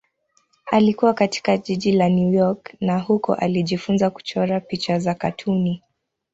Alikua katika jiji la New York na huko alijifunza kuchora picha za katuni.